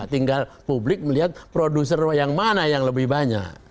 tinggal publik melihat produser yang mana yang lebih banyak